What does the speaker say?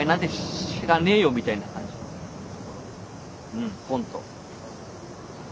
うんほんと。